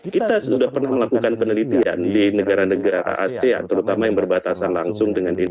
kita sudah pernah melakukan penelitian di negara negara asean terutama yang berbatasan langsung dengan indonesia